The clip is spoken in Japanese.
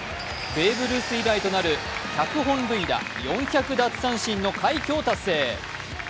ベーブ・ルース以来となる１００本塁打・４００奪三振の快挙を達成。